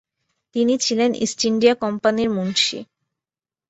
তিনি ছিলেন East India কোম্পানির মুনশি।